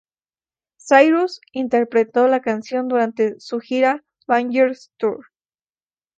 Cyrus interpretó la canción durante su gira Bangerz Tour.